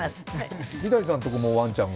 三谷さんとこもワンちゃんが？